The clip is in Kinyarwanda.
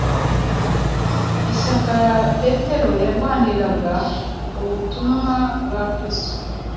Ishyaka Petero yarwaniraga Ubutumwa bwa Kristo